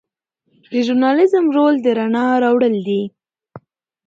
د ژورنالیزم رول د رڼا راوړل دي.